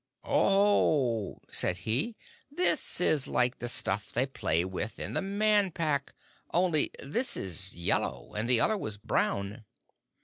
"Oho!" said he, "this is like the stuff they play with in the Man Pack: only this is yellow and the other was brown."